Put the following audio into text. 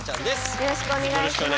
よろしくお願いします。